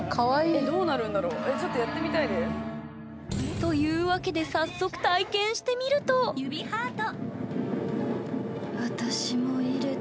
えどうなるんだろう。というわけで早速体験してみると「指ハート」。